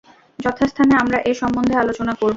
যথাস্থানে আমরা এ সম্বন্ধে আলোচনা করব।